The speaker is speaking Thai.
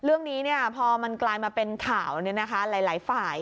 เรื่องนี้พอมันกลายมาเป็นข่าวหลายฝ่าย